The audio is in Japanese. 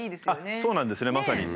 そうなんですねまさに。